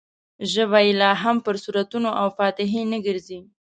ژبه یې لا هم پر سورتونو او فاتحې نه ګرځي.